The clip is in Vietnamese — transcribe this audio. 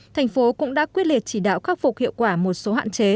thành phố cũng đã quyết liệt chỉ đạo khắc phục hiệu quả một số hạn chế